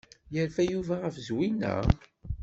Yerfa Yuba ɣef Zwina?